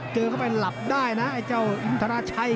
เข้าไปหลับได้นะไอ้เจ้าอินทราชัย